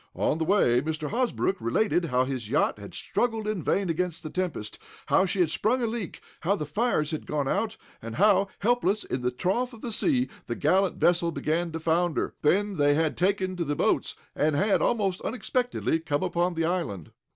On the way, Mr. Hosbrook related how his yacht had struggled in vain against the tempest, how she had sprung a leak, how the fires had gone out, and how, helpless in the trough of the sea, the gallant vessel began to founder. Then they had taken to the boats, and had, most unexpectedly come upon the island.